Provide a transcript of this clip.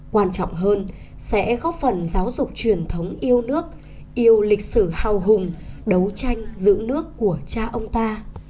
quan trọng hơn sẽ góp phần giáo dục truyền thống yêu nước yêu lịch sử hào hùng đấu tranh giữ nước của cha ông ta